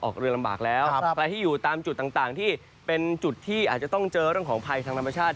เรือลำบากแล้วใครที่อยู่ตามจุดต่างที่เป็นจุดที่อาจจะต้องเจอเรื่องของภัยทางธรรมชาติ